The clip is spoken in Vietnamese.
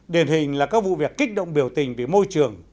điển hình là các vụ việc kích động biểu tình vì môi trường